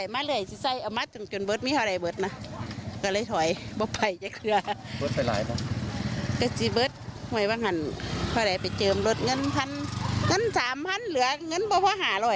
ไม่มีใครไปแล้ว